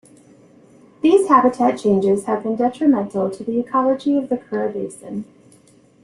These habitat changes have been detrimental to the ecology of the Kura basin.